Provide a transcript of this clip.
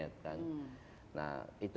nah itu menandakan